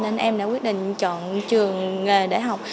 nên em đã quyết định chọn trường nghề để học